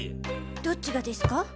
どっちがですか？